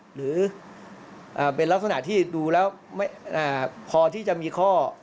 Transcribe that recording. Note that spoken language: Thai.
หรือเป็นลักษณะที่ดูแล้วพอที่จะมีข้อ